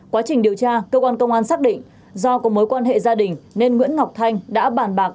quá trình điều tra cơ quan công an xác định do có mối quan hệ gia đình nên nguyễn ngọc thanh đã bàn bạc